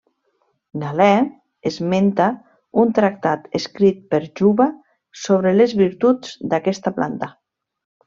Galè esmenta un tractat escrit per Juba sobre les virtuts d'aquesta planta.